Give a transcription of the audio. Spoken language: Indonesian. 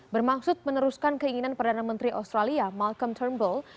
bermaksud meneruskan keinginan perdana menteri australia malcolm turnbull